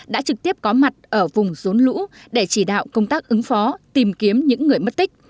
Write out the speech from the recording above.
đã trực tiếp có mặt ở vùng rốn lũ để chỉ đạo công tác ứng phó tìm kiếm những người mất tích